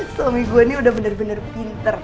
suami gue ini udah bener bener pinter